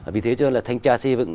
vì thế cho nên là thanh tra xây dựng